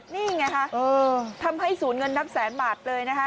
นี่ไงฮะทำให้ศูนย์เงินนับแสนบาทเลยนะคะ